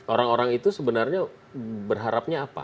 orang orang itu sebenarnya berharapnya apa